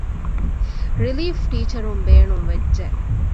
ރިލީފް ޓީޗަރުން ބޭނުންވެއްޖެ